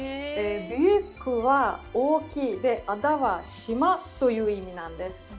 ビュユックは大きいで、アダは島という意味なんです。